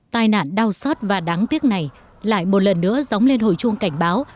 tai nạn đau xót và đáng tiếc này lại một lần nữa dóng lên hồi chuông cảnh báo